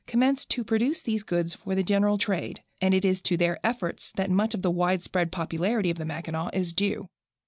commenced to produce these goods for the general trade, and it is to their efforts that much of the widespread popularity of the Mackinaw is due.